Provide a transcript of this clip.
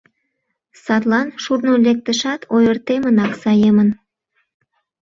Садлан шурно лектышат ойыртемынак саемын.